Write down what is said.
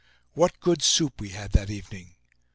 What good soup we had that evening!